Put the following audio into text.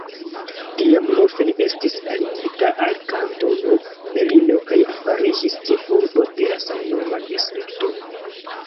Tiam Laufen estis aligita al Kantono Berno kaj fariĝis ĉefurbo de la samnoma distrikto.